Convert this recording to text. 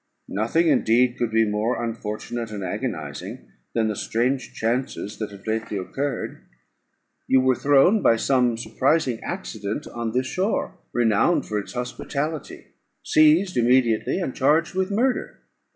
"Nothing indeed could be more unfortunate and agonising than the strange chances that have lately occurred. You were thrown, by some surprising accident, on this shore, renowned for its hospitality; seized immediately, and charged with murder.